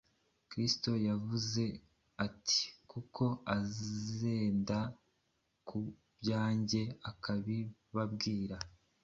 Kristo yaravuze ati, ” Kuko azenda ku byanjye akabibabwira.